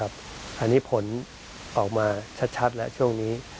อันนี้ผลออกมาชัดแล้วช่วงนี้